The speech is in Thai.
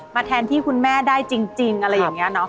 แทนที่คุณแม่ได้จริงอะไรอย่างนี้เนอะ